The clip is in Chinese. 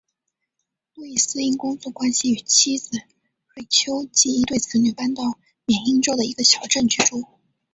路易斯因工作关系与妻子瑞秋及一对子女搬到缅因州的一个小镇居住。